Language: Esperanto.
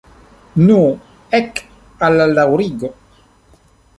Nu, ek al la daŭrigo!